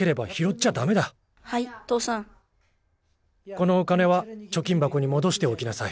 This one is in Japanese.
このお金は貯金箱にもどしておきなさい。